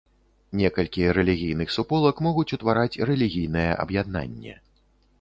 Некалькі рэлігійных суполак могуць утвараць рэлігійнае аб'яднанне.